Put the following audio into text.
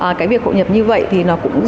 cái việc hộ nhập như vậy thì nó cũng giúp